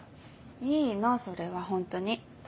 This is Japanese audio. いいのそれはホントに。